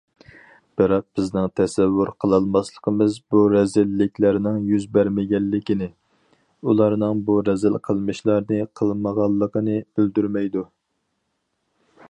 بىراق بىزنىڭ تەسەۋۋۇر قىلالماسلىقىمىز، بۇ رەزىللىكلەرنىڭ يۈز بەرمىگەنلىكىنى، ئۇلارنىڭ بۇ رەزىل قىلمىشلارنى قىلمىغانلىقىنى بىلدۈرمەيدۇ.